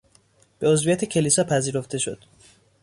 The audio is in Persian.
به عضویت کلیسا پذیرفته شد.